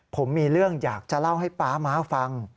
ผมมีเรื่องอยากจะเล่าให้ป๊าม้าฟัง